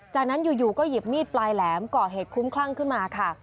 จากนั้นอยู่ก็หยิบมีดปลายแหลมก่อเหตุคุ้มคลั่งขึ้นมาค่ะ